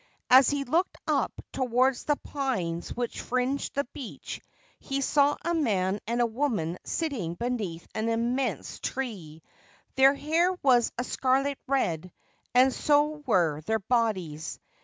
As he looked up towards the pines which fringed the beach, he saw a man and a woman sitting beneath an immense tree ; their hair was a scarlet red, and so were their bodies.